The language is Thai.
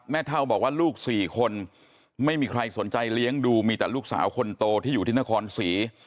เท่าบอกว่าลูก๔คนไม่มีใครสนใจเลี้ยงดูมีแต่ลูกสาวคนโตที่อยู่ที่นครศรี